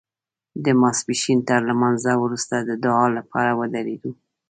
د ماسپښین تر لمانځه وروسته د دعا لپاره ودرېدو.